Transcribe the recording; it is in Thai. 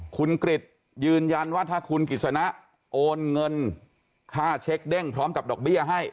คุณกริจยืนยันว่าถ้าคุณกิจสนะโอนเงินค่าเช็คเด้งพร้อมกับดอกเบี้ยให้